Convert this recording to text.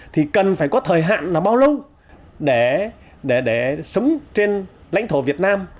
thì cần phải có thời hạn là bao lâu để sống trên lãnh thổ việt nam